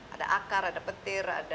ada akar ada petir